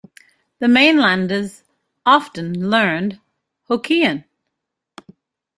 The mainlanders often learned Hokkien.